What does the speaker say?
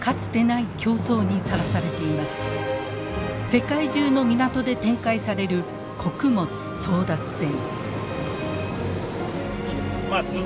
世界中の港で展開される穀物争奪戦。